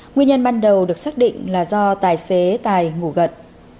nguyên nhân ban đầu được xác định là do tài xế tài ngủ gật